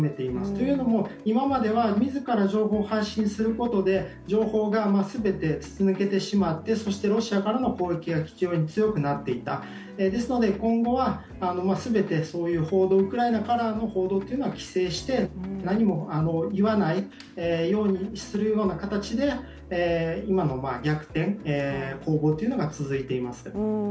というのも、今までは自ら情報を発信することで情報が全て筒抜けてしまってそしてロシアからの攻撃が非常に強くなっていた、今後は全てそういう報道、ウクライナからの報道は規制して何も言わないようにする形で今の逆転、攻防が続いています。